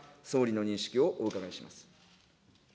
総理の認識をお伺いします。